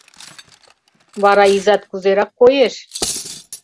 — Вара изат кузерак коеш?